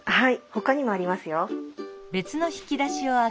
ほかにもありますよ。